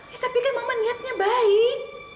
ya tapi kan mama niatnya baik